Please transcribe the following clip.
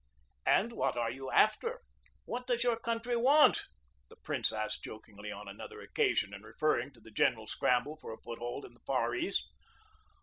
"And what are you after ? What does your coun try want?" the prince asked jokingly on another occasion, in referring to the general scramble for a foothold in the Far East.